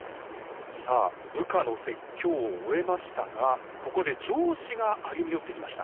さあ部下の説教を終えましたがここで上司が歩み寄ってきました。